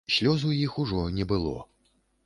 Слёз у іх ужо не было.